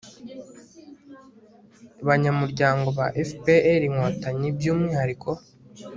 banyamuryango ba fpr-inkotanyi by'umwihariko